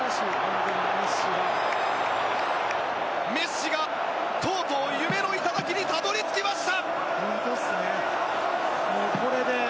メッシがとうとう夢の頂にたどり着きました。